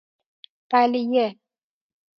قلیه